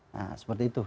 nah seperti itu